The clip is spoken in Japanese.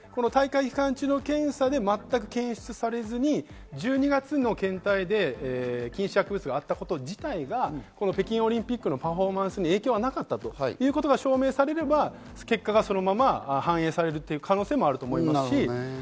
期間中の検査で全く検出されずに１２月の検体で禁止薬物があったこと自体が北京オリンピックのパフォーマンスに影響はなかったということが証明されれば、結果がそのまま反映されるという可能性もあります。